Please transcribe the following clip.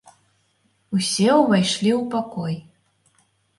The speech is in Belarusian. Усе ўвайшлі ў пакой.